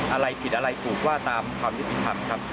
อะไรผิดอะไรถูกว่าตามความยุติธรรมครับ